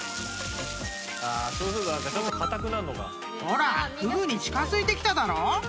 ［ほらフグに近づいてきただろ］